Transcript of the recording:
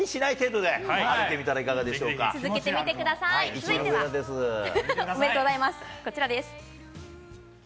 続いてはこちらです。